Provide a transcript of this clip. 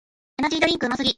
エナジードリンクうますぎ